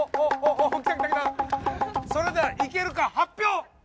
それではいけるか発表！